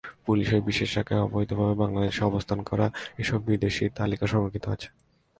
পুলিশের বিশেষ শাখায় অবৈধভাবে বাংলাদেশে অবস্থান করা এসব বিদেশির তালিকা সংরক্ষিত আছে।